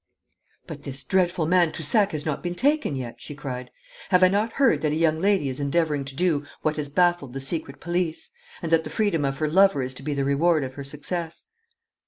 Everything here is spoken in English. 'But this dreadful man Toussac has not been taken yet,' she cried. 'Have I not heard that a young lady is endeavouring to do what has baffled the secret police, and that the freedom of her lover is to be the reward of her success?'